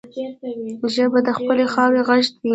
ژبه د خپلې خاورې غږ دی